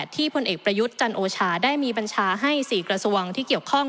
พลเอกประยุทธ์จันโอชาได้มีบัญชาให้๔กระทรวงที่เกี่ยวข้อง